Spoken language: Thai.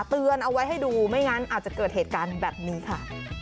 เตือนเอาไว้ให้ดูไม่งั้นอาจจะเกิดเหตุการณ์แบบนี้ค่ะ